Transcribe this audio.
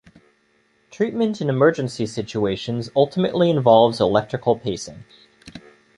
Treatment in emergency situations ultimately involves electrical pacing.